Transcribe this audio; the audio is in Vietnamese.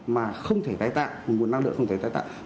mà không thể tái tạng nguồn năng lượng không thể tái tạng